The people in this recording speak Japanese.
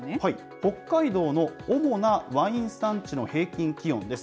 北海道の主なワイン産地の平均気温です。